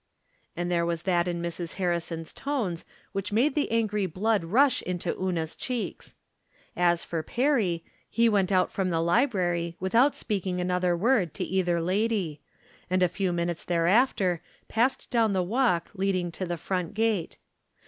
And there was that in Mrs. Harrison's tones which made the angry blood rush into Una's cheeks. As for Perry, he went out from the li brary without speaking another word to either lady, and a few minutes thereafter passed down the walk leading to the front gate.